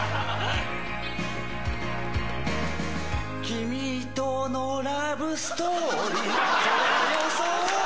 君とのラブストーリー